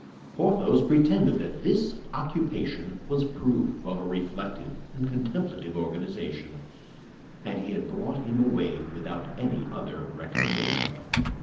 Porthos pretended that this occupation was proof of a reflective and contemplative organization, and he had brought him away without any other recommendation.